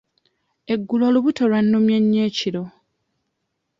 Eggulo olubuto lwannumye nnyo ekiro.